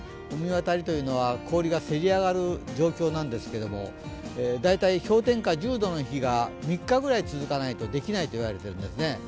御神渡りというのは氷がせり上がる状況なんですけれども氷点下１０度の日が３日ぐらい続かないとできないと言われているんですね。